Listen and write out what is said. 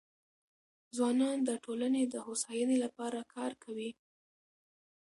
ځوانان د ټولنې د هوساینې لپاره کار کوي.